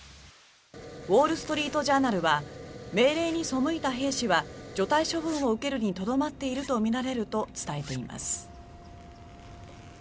ウォール・ストリート・ジャーナルは命令に背いた兵士は除隊処分を受けるにとどまっているとみられると伝えています。